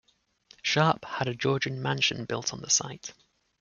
Sharpe had a Georgian mansion built on the site.